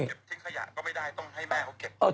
ต้องให้แม่เค้าเก็บทิ้งขยะก็ไม่ได้ต้องให้แม่เค้าเก็บทิ้ง